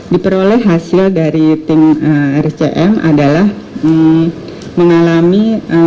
diperoleh hasil dari tim rscm adalah mengalami